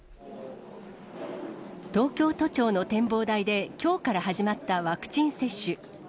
東京都庁の展望台できょうから始まったワクチン接種。